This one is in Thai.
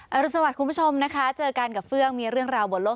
รุนสวัสดิ์คุณผู้ชมนะคะเจอกันกับเฟื่องมีเรื่องราวบนโลก